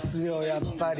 やっぱり。